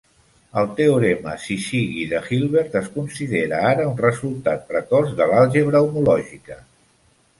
El teorema syzygy de Hilbert es considera ara un resultat precoç de l'àlgebra homològica.